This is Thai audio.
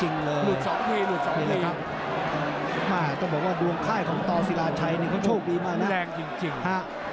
หลุดอีกแล้วหลุดอีกแล้วหลุดอีกแล้ว